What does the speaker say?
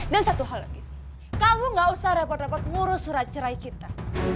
dan satu hal lagi kamu gak usah repot repot ngurus surat cerai kita